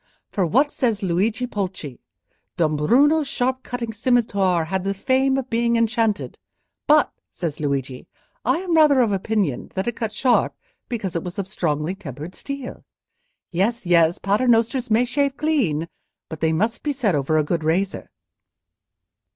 For what says Luigi Pulci? 'Dombruno's sharp cutting scimitar had the fame of being enchanted; but,' says Luigi, 'I am rather of opinion that it cut sharp because it was of strongly tempered steel.' Yes, yes; Paternosters may shave clean, but they must be said over a good razor."